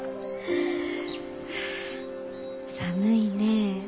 寒いねえ。